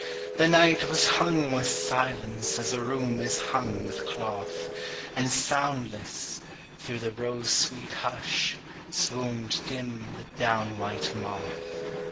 The night was hung with silence As a room is hung with cloth, And soundless, through the rose sweet hush, Swooned dim the down white moth.